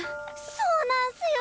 そうなんすよ。